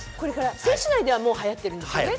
選手内ではもうはやってるんですよね。